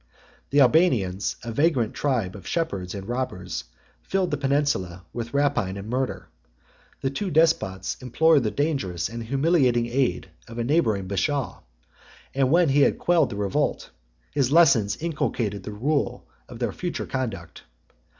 The Albanians, a vagrant tribe of shepherds and robbers, filled the peninsula with rapine and murder: the two despots implored the dangerous and humiliating aid of a neighboring bashaw; and when he had quelled the revolt, his lessons inculcated the rule of their future conduct.